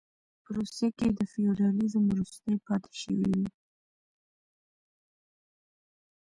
په روسیه کې فیوډالېزم وروستۍ پاتې شوې وې.